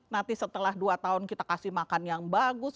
nanti setelah dua tahun kita kasih makan yang bagus